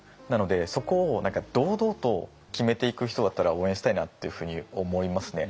そこを堂々と決めていく人だったら応援したいなっていうふうに思いますね。